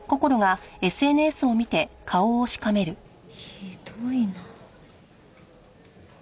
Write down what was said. ひどいな。